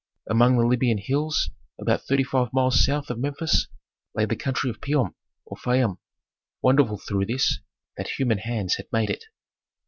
Among the Libyan hills, about thirty five miles south of Memphis, lay the country of Piom or Fayum, wonderful through this, that human hands had made it.